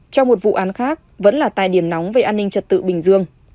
trong một vụ án khác vẫn là tài điểm nóng về an ninh trật tự bình dương